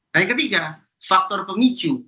nah yang ketiga faktor pemicu